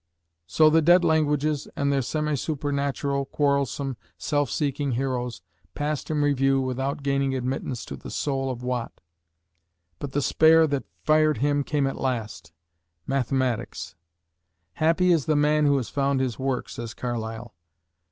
So the dead languages and their semi supernatural, quarrelsome, self seeking heroes passed in review without gaining admittance to the soul of Watt. But the spare that fired him came at last Mathematics. "Happy is the man who has found his work," says Carlyle.